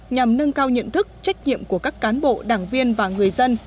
nhằm nâng cao nhận thức trách nhiệm của các cán bộ đảng viên và người dân